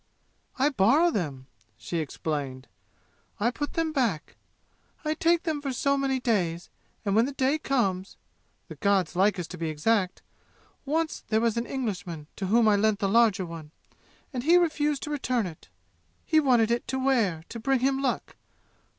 "I borrow them," she explained, "but I put them back. I take them for so many days, and when the day comes the gods like us to be exact! Once there was an Englishman to whom I lent the larger one, and he refused to return it. He wanted it to wear, to bring him luck.